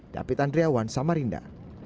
david andriawan samarinda